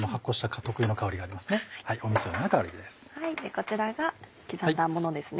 こちらが刻んだものですね。